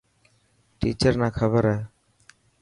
ٽيچر نا خبر هي.